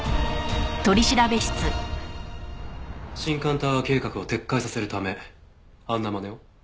新館タワー計画を撤回させるためあんなまねを？